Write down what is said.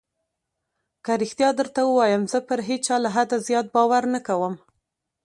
که رښتيا درته ووايم زه پر هېچا له حده زيات باور نه کوم.